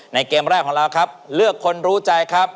เกมแรกของเราครับเลือกคนรู้ใจครับ